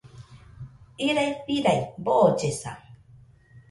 Irai firai, boollesa